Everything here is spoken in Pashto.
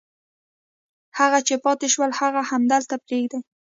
هغه چې پاتې شول هغه همدلته پرېږدي.